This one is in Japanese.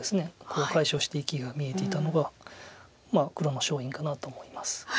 コウを解消して生きが見えていたのが黒の勝因かなと思います。